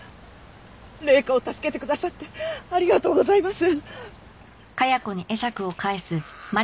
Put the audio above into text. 麗華を助けてくださってありがとうございます！